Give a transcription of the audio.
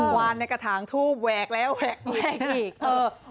กวานในกระทางทูบแวกแล้วแวกอีก